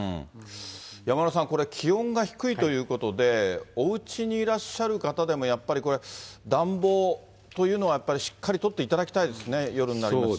山村さん、気温が低いということで、おうちにいらっしゃる方でも、やっぱりこれ、暖房というのはやっぱりしっかりとっていただきたいですね、夜になりますし。